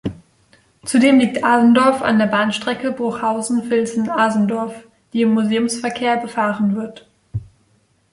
Zudem liegt Asendorf an der Bahnstrecke Bruchhausen-Vilsen–Asendorf, die im Museumsverkehr befahren wird.